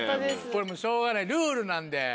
これもうしょうがないルールなんで。